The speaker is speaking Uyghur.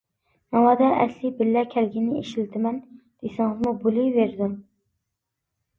ناۋادا ئەسلى بىللە كەلگىنىنى ئىشلىتىمەن دېسىڭىزمۇ بولۇۋېرىدۇ.